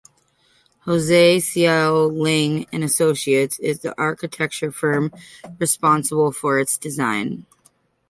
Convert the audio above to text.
Jose Siao Ling and Associates is the architecture firm responsible for its design.